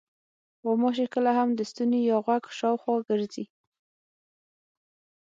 غوماشې کله هم د ستوني یا غوږ شاوخوا ګرځي.